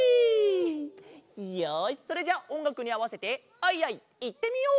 よしそれじゃあおんがくにあわせて「アイアイ」いってみよう！